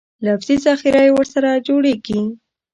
لفظي ذخیره یې ورسره جوړېږي.